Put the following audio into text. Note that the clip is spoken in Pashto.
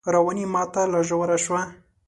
رواني ماته لا ژوره شوه